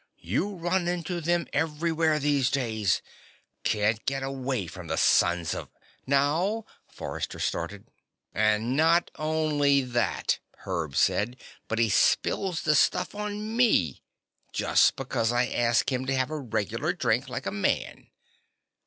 "You run into them everywhere these days. Can't get away from the sons of " "Now " Forrester started. "And not only that," Herb said, "but he spills the stuff on me. Just because I ask him to have a regular drink like a man."